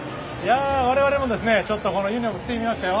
我々も、このユニホームを着てみましたよ。